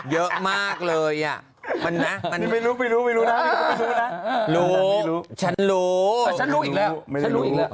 เยอะมากเลยอ่ะไม่รู้